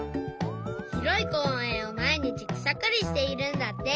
ひろいこうえんをまいにちくさかりしているんだって。